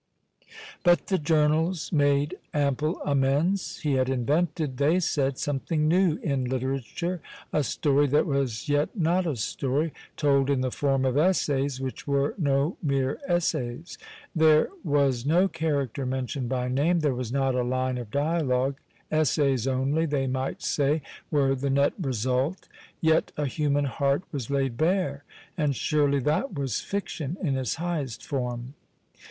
But the journals made ample amends. He had invented, they said, something new in literature, a story that was yet not a story, told in the form of essays which were no mere essays. There was no character mentioned by name, there was not a line of dialogue, essays only, they might say, were the net result, yet a human heart was laid bare, and surely that was fiction in its highest form.